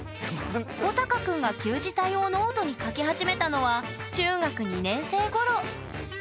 ほたかくんが旧字体をノートに書き始めたのは中学２年生ごろ。